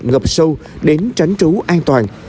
ngập sâu đến tránh trú an toàn